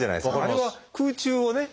あれは空中をね